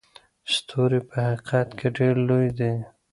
ستوري په حقیقت کې ډېر لوی دي.